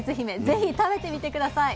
ぜひ食べてみて下さい。